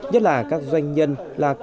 nhất là các doanh nhân là con em